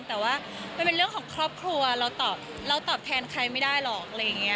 แต่ว่าเป็นเรื่องของครอบครัวเราตอบแทนใครไม่ได้หรอก